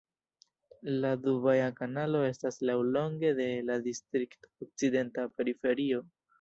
La Dubaja Kanalo estas laŭlonge de la distrikta okcidenta periferio.